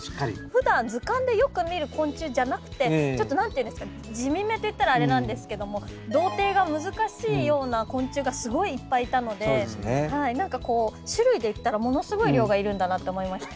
ふだん図鑑でよく見る昆虫じゃなくてちょっと何ていうんですかね地味めって言ったらあれなんですけども同定が難しいような昆虫がすごいいっぱいいたので種類でいったらものすごい量がいるんだなって思いました。